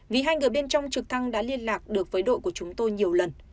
vì hai người bên trong trực thăng đã liên lạc được với đội của chúng tôi nhiều lần